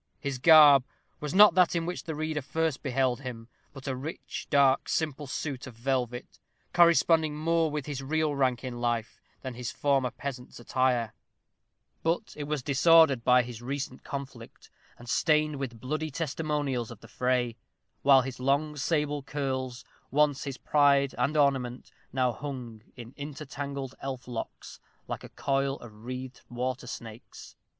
His garb was not that in which the reader first beheld him, but a rich, dark, simple suit of velvet, corresponding more with his real rank in life than his former peasant's attire; but it was disordered by his recent conflict, and stained with bloody testimonials of the fray; while his long, sable curls, once his pride and ornament, now hung in intertangled elf locks, like a coil of wreathed water snakes.